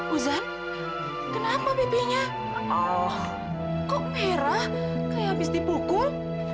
ujian kenapa bibinya kok merah kayak habis dipukul